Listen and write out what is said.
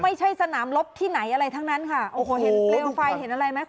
ไม่ใช่สนามลบที่ไหนอะไรทั้งนั้นค่ะโอ้โหเห็นเปลวไฟเห็นอะไรไหม